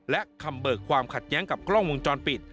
และคำเบิกความขัดแย้งกับกล้องวงจรปิด